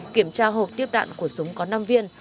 kiểm tra hộp tiếp đạn của súng có năm viên